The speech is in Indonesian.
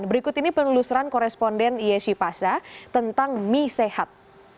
berikut ini penelusuran koresponden yesi pasa tentang mie sehat